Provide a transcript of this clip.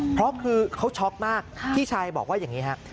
เพราะคือเขาช็อกมากพี่ชายบอกว่าอย่างนี้ครับ